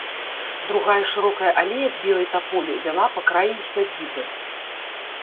Другая шырокая алея з белай таполі вяла па краі сядзібы.